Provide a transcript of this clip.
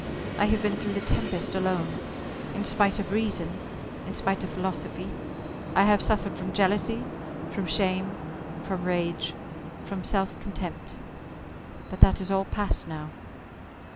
I have been through the tempest alone. In spite of reason, in spite of philosophy I have suffered from jealousy, from shame, from rage, from self contempt. But that is all past now."